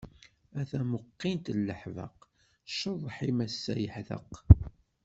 A tamuqint n leḥbeq, cceḍḥ-im ass-a yeḥdeq.